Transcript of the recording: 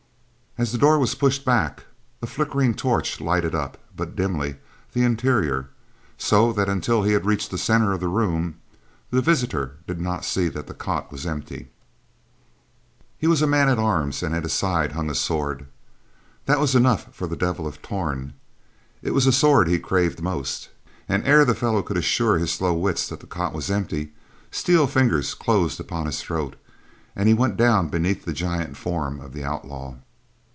As the door was pushed back, a flickering torch lighted up, but dimly, the interior, so that until he had reached the center of the room, the visitor did not see that the cot was empty. He was a man at arms, and at his side hung a sword. That was enough for the Devil of Torn—it was a sword he craved most; and, ere the fellow could assure his slow wits that the cot was empty, steel fingers closed upon his throat, and he went down beneath the giant form of the outlaw.